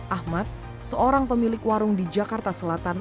ahmad seorang pemilik warung di jakarta selatan